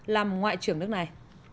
làm ngoại trưởng nước này